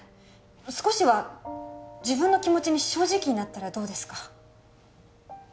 少しは自分の気持ちに正直になったらどうですか？